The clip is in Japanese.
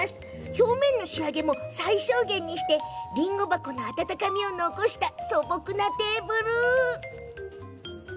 表面の仕上げも最小限にしてりんご箱の温かみを残した素朴なテーブル。